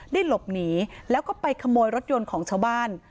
หลบหนีแล้วก็ไปขโมยรถยนต์ของชาวบ้าน